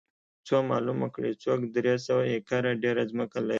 څو معلومه کړي څوک درې سوه ایکره ډېره ځمکه لري